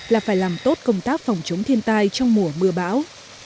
là phải làm tốt công tác phòng chống thiên tai trong mùa mưa bão